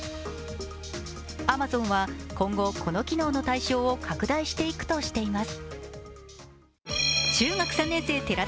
Ａｍａｚｏｎは今後この機能の対象を拡大していくといいます。